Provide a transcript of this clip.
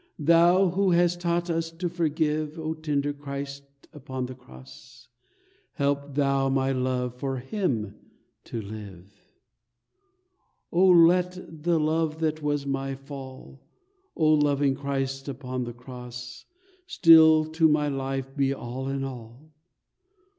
"Thou, who hast taught us to forgive, O tender Christ upon the Cross, Help Thou my love for him to live. "Oh, let the love that was my fall, O loving Christ upon the Cross, Still to my life be all in all.